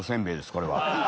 これは。